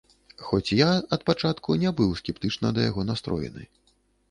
Хоць я ад пачатку не быў скептычна да яго настроены.